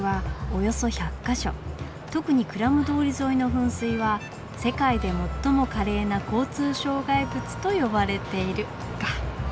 特にクラム通り沿いの噴水は『世界で最も華麗な交通障害物』と呼ばれている」か。